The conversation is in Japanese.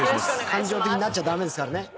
感情的になっちゃ駄目ですからね。